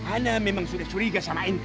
ana memang sudah syuriga sama ente